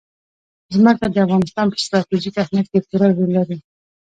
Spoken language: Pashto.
ځمکه د افغانستان په ستراتیژیک اهمیت کې پوره رول لري.